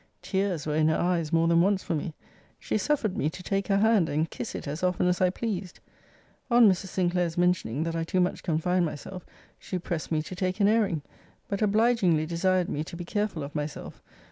Tears were in her eyes more than once for me. She suffered me to take her hand, and kiss it as often as I pleased. On Mrs. Sinclair's mentioning, that I too much confined myself, she pressed me to take an airing; but obligingly desired me to be careful of myself.